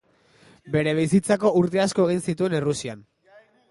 Bere bizitzako urte asko egin zituen Errusian.